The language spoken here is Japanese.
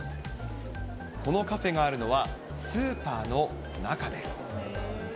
このカフェがあるのは、スーパーの中です。